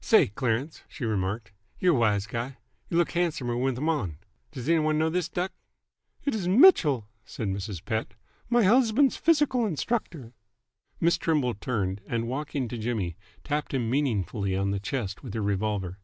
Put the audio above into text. "Say, Clarence," she remarked, "y're a wise guy. Y' look handsomer with 'em on. Does any one know this duck?" "It is Mitchell," said Mrs. Pett. "My husband's physical instructor." Miss Trimble turned, and, walking to Jimmy, tapped him meaningly on the chest with her revolver.